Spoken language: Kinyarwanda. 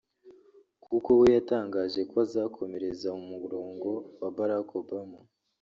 kuko we yatangaje ko azakomereza mu murongo wa Barack Obama